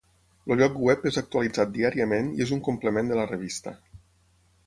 El lloc web és actualitzat diàriament i és un complement de la revista.